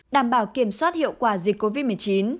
đảm bảo kiểm soát hiệu quả dịch covid một mươi chín